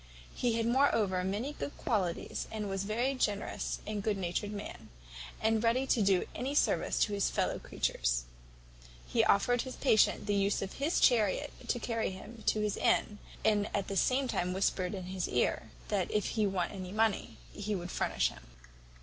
He had moreover many good qualities, and was a very generous good natured man, and ready to do any service to his fellow creatures. He offered his patient the use of his chariot to carry him to his inn, and at the same time whispered in his ear, `That if he wanted any money, he would furnish him.'